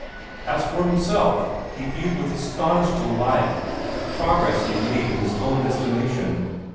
As for himself, he viewed with astonished delight the progress he had made in his own estimation.